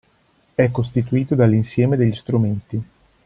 È costituito dall'insieme degli strumenti.